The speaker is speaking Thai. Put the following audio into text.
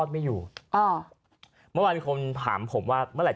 มั้ยคือส่วนไหนเนี่ย